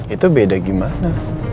itu beda gimana